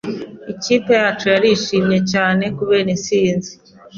Ikipe yacu yari yishimye cyane kubera intsinzi.